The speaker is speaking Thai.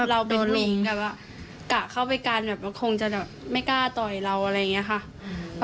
เราเป็นลมแบบว่ากะเข้าไปกันแบบคงจะแบบไม่กล้าต่อยเราอะไรอย่างนี้ค่ะ